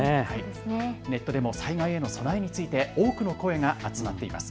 ネットでも災害への備えについて多くの声が集まっています。